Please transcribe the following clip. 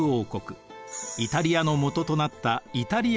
イタリアのもととなったイタリア王国。